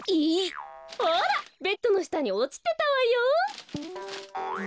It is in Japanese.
ほらベッドのしたにおちてたわよ。